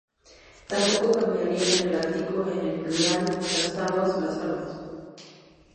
Tampoco cambiarían el artículo en el plural: "las aguas", "las armas".